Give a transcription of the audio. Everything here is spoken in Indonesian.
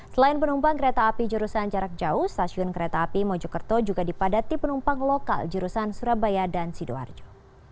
selain penumpang kereta api jurusan jarak jauh stasiun kereta api mojokerto juga dipadati penumpang lokal jurusan surabaya dan sidoarjo